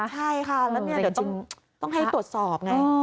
ใช่ค่ะแล้วนี่ต้องให้ตรวจสอบไง